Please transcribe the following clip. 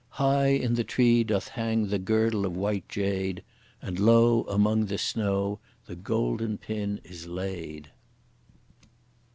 High in the trees doth hang the girdle of white jade, And lo! among the snow the golden pin is laid!